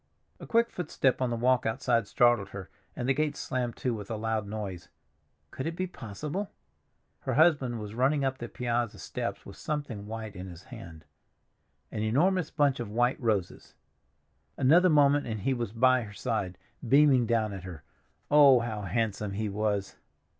A quick footstep on the walk outside startled her, and the gate slammed to with a loud noise. Could it be possible? Her husband was running up the piazza steps with something white in his hand—an enormous bunch of white roses. Another moment and he was by her side, beaming down at her. Oh, how handsome he was!